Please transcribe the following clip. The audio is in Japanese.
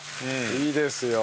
いいですよ。